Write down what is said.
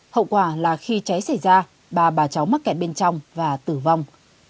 hậu quả là khi cháy xảy ra bà cháu mắc kẹt bên trong và tử vong